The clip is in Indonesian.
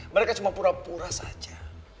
mereka cuma pura pura saja